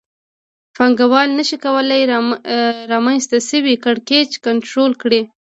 پانګوال نشي کولای رامنځته شوی کړکېچ کنټرول کړي